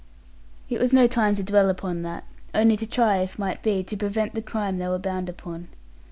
It was no time to dwell upon that, only to try, if might be, to prevent the crime they were bound upon.